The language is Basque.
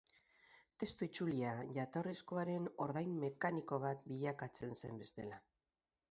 Testu itzulia jatorrizkoaren ordain mekaniko bat bilakatzen zen bestela.